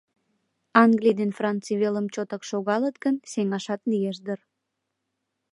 Англий ден Франций велым чотак шогалыт гын, сеҥашат лиеш дыр.